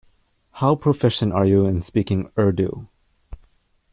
How proficient are you in speaking Urdu?